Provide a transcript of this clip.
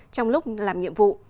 trong lúc làm nhiệm vụ